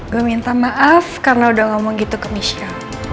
gue minta maaf karena udah ngomong gitu ke miska